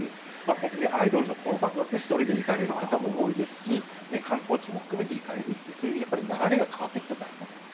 本当にアイドルのコンサートだって１人で行かれる方も多いですし観光地も含めて行かれるというそういう流れが変わってきたのはありますね。